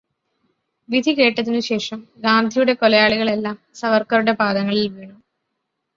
വിധി കേട്ടതിനു ശേഷം ഗാന്ധിയുടെ കൊലയാളികളെല്ലാം സവർക്കറുടെ പാദങ്ങിൽ വീണു.